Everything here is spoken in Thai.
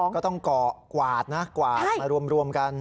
ก็ต้องเกาะกวาดนะกวาดมารวมกัน